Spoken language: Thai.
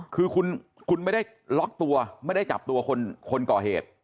คือคุณไม่ได้ล็อกตัวไม่ได้จับตัวคนก่อเหตุ